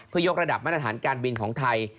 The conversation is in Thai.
เพื่อยกระดับมาตรฐานการบินของไทย